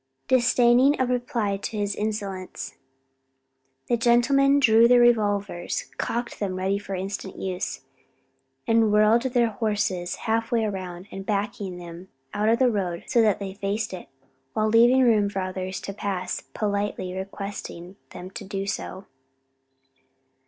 Disdaining a reply to his insolence, the gentlemen drew their revolvers, cocked them ready for instant use, and whirling their horses half way round and backing them out of the road so that they faced it, while leaving room for the others to pass, politely requested them to do so.